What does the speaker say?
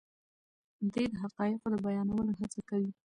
دی د حقایقو د بیانولو هڅه کوي.